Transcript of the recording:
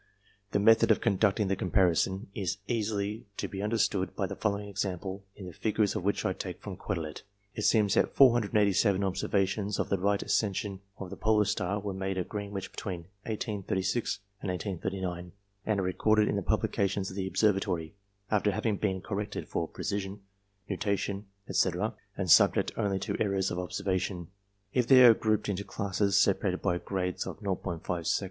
The method of con ducting the comparison is easily to be understood by the following example, the figures of which I take from Quetelet. It seems that 487 observations of the Right Ascension of the Polar Star were made at Greenwich between 1836 and 1839, and are recorded in the publica tions of the Observatory, after having been corrected for precession, nutation, &c., and subject only to errors of observation. If they are grouped into classes separated by grades of 0'5 sec.